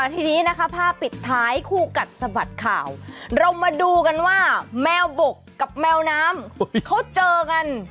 ทีนี้นะคะภาพปิดท้ายคู่กัดสะบัดข่าวเรามาดูกันว่าแมวบกกับแมวน้ำเขาเจอกัน